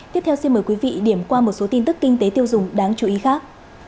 tiếp theo xin mời quý vị điểm qua một số tin tức kinh tế tiêu dùng đáng chú ý khác